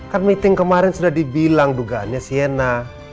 kan meeting kemarin sudah dibilang dugaannya siena